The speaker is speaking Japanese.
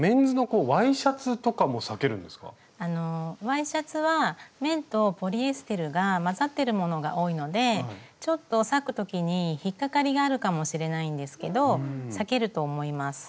ワイシャツは綿とポリエステルがまざってるものが多いのでちょっと裂く時に引っ掛かりがあるかもしれないんですけど裂けると思います。